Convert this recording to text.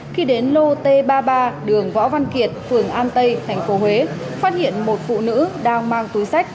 khi đến lô t ba mươi ba đường võ văn kiệt phường an tây tp huế phát hiện một phụ nữ đang mang túi sách